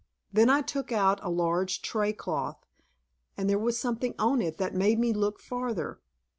Then I took out a large tray cloth, and there was something on it that made me look farther.